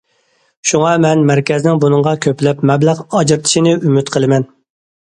شۇڭا مەن مەركەزنىڭ بۇنىڭغا كۆپلەپ مەبلەغ ئاجرىتىشىنى ئۈمىد قىلىمەن.